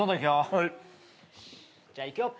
じゃあいくよ。